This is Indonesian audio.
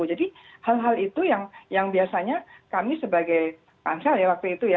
jadi hal hal itu yang biasanya kami sebagai pansel ya waktu itu ya